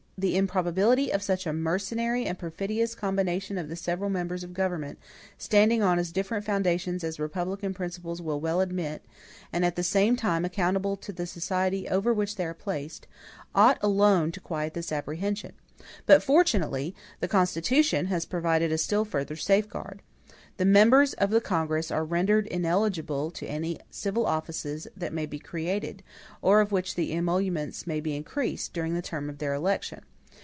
The improbability of such a mercenary and perfidious combination of the several members of government, standing on as different foundations as republican principles will well admit, and at the same time accountable to the society over which they are placed, ought alone to quiet this apprehension. But, fortunately, the Constitution has provided a still further safeguard. The members of the Congress are rendered ineligible to any civil offices that may be created, or of which the emoluments may be increased, during the term of their election.